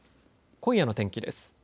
今夜の天気です。